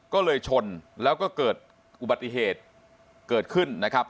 ก็เลยชนแล้วก็เกิดอุบัติเหตุเกิดขึ้นนะครับ